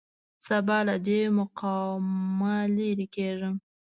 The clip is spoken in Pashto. سبا له دې مقامه لېرې کېږم.